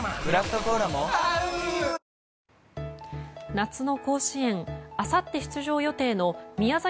夏の甲子園あさって出場予定の宮崎